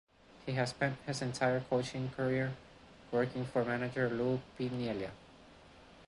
He has spent his entire coaching career working for manager Lou Piniella.